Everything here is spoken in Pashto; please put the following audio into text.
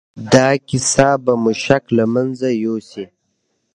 دا کيسه به مو شک له منځه يوسي.